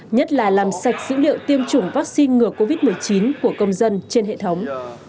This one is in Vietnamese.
nhất là làm sạch dữ liệu tiêm chủng vaccine ngừa covid một mươi chín của công dân trên hệ thống